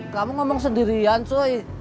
kamu ngomong sendirian cuy